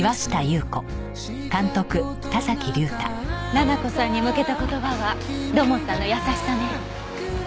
奈々子さんに向けた言葉は土門さんの優しさね。